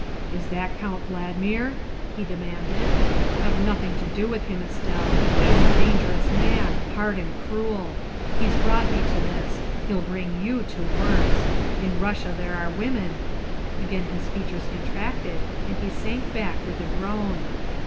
" Is that Count Valdmir?" he demanded. " Have nothing to do with him, Estelle. He 's a dangerous man hard and cruel. He 's brought me to this ; he '11 bring you to worse. In Russia there are women Again his features contracted and he sank back with a groan.